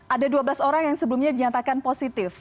ada dua belas orang yang sebelumnya dinyatakan positif